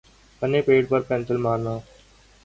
پنے پیٹ پر پنسل مارنا